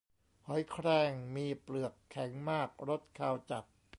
หอยแครง มีเปลือกแข็งมาก รสคาวจัด